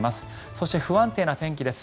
そして不安定な天気です。